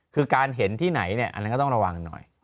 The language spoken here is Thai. คือการเห็นที่ไหนอันนั้นก็ต้องระวังหน่อย